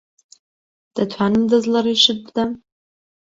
دەتوانم دەست لە ڕیشت بدەم؟